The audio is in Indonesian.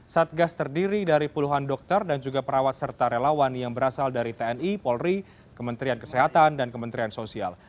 satgas terdiri dari puluhan dokter dan juga perawat serta relawan yang berasal dari tni polri kementerian kesehatan dan kementerian sosial